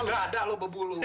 nggak ada lo bebulu